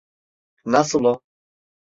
Nasıl o?